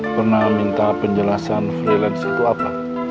pernah minta penjelasan freelance itu apa